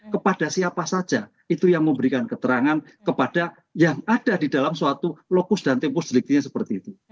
kepada siapa saja itu yang memberikan keterangan kepada yang ada di dalam suatu lokus dan tempus deliknya seperti itu